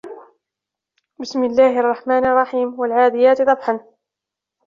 بِسمِ اللَّهِ الرَّحمنِ الرَّحيمِ وَالعادِياتِ ضَبحًا